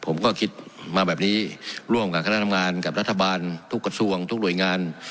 ผมก็คิดมาแบบนี้ร่วมกับคณะทำงานกับรัฐบาลทุกกระทรวงทุกหน่วยงาน